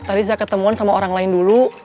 tadi saya ketemuan sama orang lain dulu